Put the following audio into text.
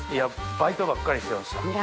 バイトばっかりしてました。